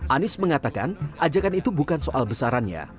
anies mengatakan ajakan itu bukan soal besarannya